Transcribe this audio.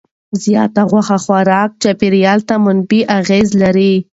زیات غوښه خوراک چاپیریال ته منفي اغېز لري.